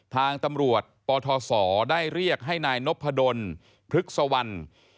ทางตำรวจปทศได้เรียกให้นายนพดลพฤกษวรรณ